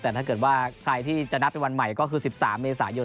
แต่ถ้าเกิดว่าใครที่จะนับเป็นวันใหม่ก็คือ๑๓เมษายน